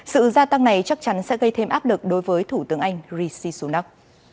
sự gia tăng này chắc chắn sẽ gây thêm áp lực đối với thủ tướng anh rishi sunak